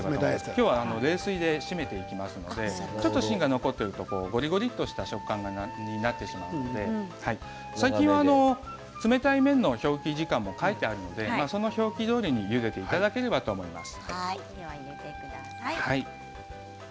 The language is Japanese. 今日は冷水で締めていきますのでちょっと芯が残っているところコリコリとした食感になってしまうので最近は冷たい麺の表記時間も書いてあるのでその表記どおりにゆでていただければと思います。